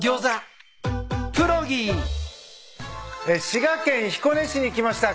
滋賀県彦根市に来ました。